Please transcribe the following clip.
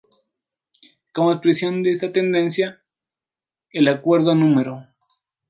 Como expresión de esta tendencia, el acuerdo No.